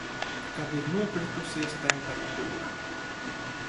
Kad ir nokritusies temperatūra.